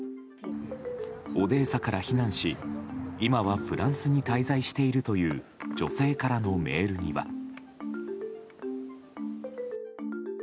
オデーサから避難し今はフランスに滞在しているという女性からのメールには。